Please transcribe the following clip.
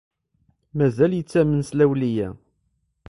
Mazal-t yettamen s lawleyya.